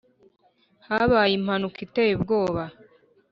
Habaye impanuka iteye ubwoba